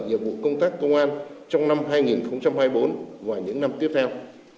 nhiệm vụ công tác công an trong năm hai nghìn hai mươi bốn và những năm tiếp theo